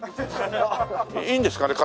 いいんですかね？